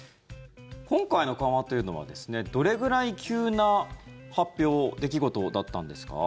今回の緩和というのはどれぐらい急な発表出来事だったんですか？